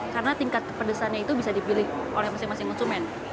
karena tingkat kepedasannya itu bisa dipilih oleh masing masing konsumen